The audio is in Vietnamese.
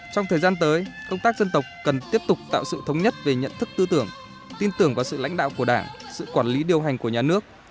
trong thời gian tới công tác dân tộc cần tiếp tục tạo sự thống nhất về nhận thức tư tưởng tin tưởng vào sự lãnh đạo của đảng sự quản lý điều hành của nhà nước